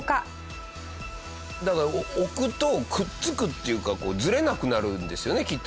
だから置くとくっつくっていうかこうずれなくなるんですよねきっと。